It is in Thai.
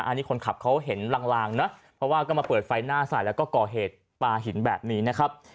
อันนี้คนขับเขาเห็นลางนะเพราะว่าก็มาเปิดไฟหน้าใส่แล้วก็ก่อเหตุปลาหินแบบนี้นะครับ